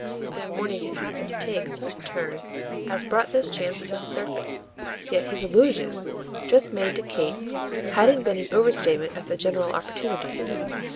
Their morning had happened to take such a turn as brought this chance to the surface; yet his allusion, just made to Kate, hadn't been an overstatement of their general opportunity.